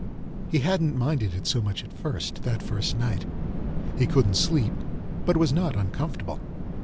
He hadn't minded it so much at first, that first nite. He couldn't sleep, but it was not uncomfortable.